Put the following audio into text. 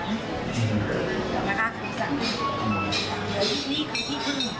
หรือว่านี่คือที่พึ่งของประเทศไทยคือสัตว์